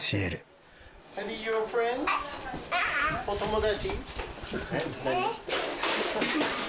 お友達？